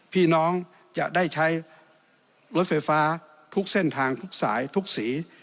พี่น้องจะได้ใช้รถไฟฟ้าทุกเส้นทางทุกสายทุกสี